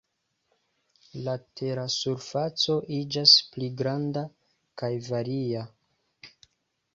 La tera surfaco iĝas pli granda kaj varia.